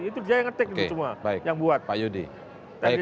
itu dia yang ketik semua yang buat